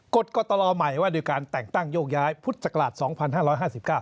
กฎกตลใหม่ว่าโดยการแต่งตั้งโยกย้ายพุทธศักราช๒๕๕๙